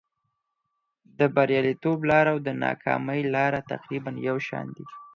د بریالیتوب لاره او د ناکامۍ لاره تقریبا یو شان دي.